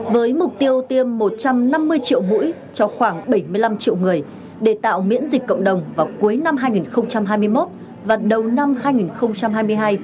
với mục tiêu tiêm một trăm năm mươi triệu mũi cho khoảng bảy mươi năm triệu người để tạo miễn dịch cộng đồng vào cuối năm hai nghìn hai mươi một và đầu năm hai nghìn hai mươi hai